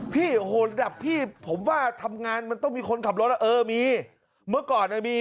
พี่โหดับพี่ผมว่าทำงานมันต้องมีคนขับรถเออมีเมื่อก่อนมี